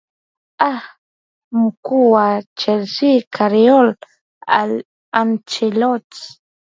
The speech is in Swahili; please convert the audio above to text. ha mkuu wa chelsea karlo ancheloti